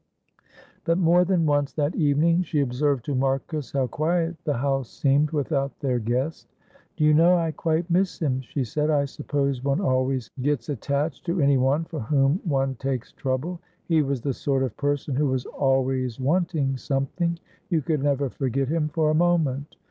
But more than once that evening she observed to Marcus how quiet the house seemed without their guest. "Do you know I quite miss him," she said. "I suppose one always get attached to any one for whom one takes trouble. He was the sort of person who was always wanting something; you could never forget him for a moment.